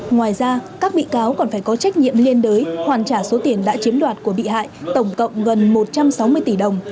ngoài ra các bị cáo còn phải có trách nhiệm liên đới hoàn trả số tiền đã chiếm đoạt của bị hại tổng cộng gần một trăm sáu mươi tỷ đồng